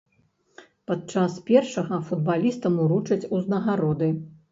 Падчас першага футбалістам уручаць узнагароды.